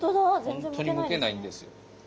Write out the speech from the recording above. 本当にむけないんですよ。